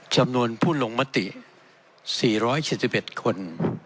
จำนวนผู้ลงมติ๔๗๑คน